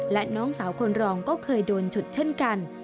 และน้องสาวคนรองก็เคยโดนฉุดเช่นกัน